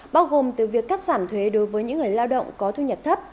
bao gồm từ việc cắt giảm thuế đối với những người lao động có thu nhập thấp